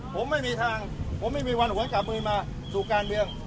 ผมไม่มีทางผมไม่มีวันหวนกลับมือมาสู่การเมือง